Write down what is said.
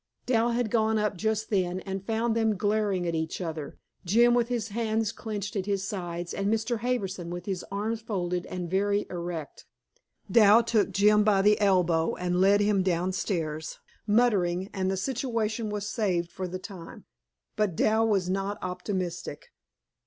Dal had gone up just then, and found them glaring at each other, Jim with his hands clenched at his sides, and Mr. Harbison with his arms folded and very erect. Dal took Jim by the elbow and led him downstairs, muttering, and the situation was saved for the time. But Dal was not optimistic.